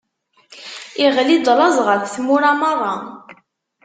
Iɣli-d laẓ ɣef tmura meṛṛa.